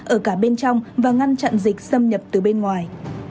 ở cả bên trong và ngăn chặn dịch xâm nhập từ bên ngoài